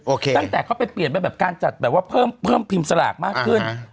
โอเคนะโอเคตั้งแต่เขาไปเปลี่ยนแบบการผิมสลากมากขึ้น